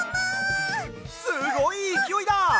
すごいいきおいだ！